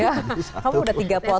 kamu udah tiga potong